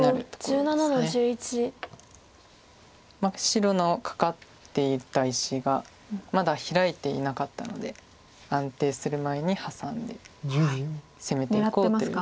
白のカカっていた石がまだヒラいていなかったので安定する前にハサんで攻めていこうっていう。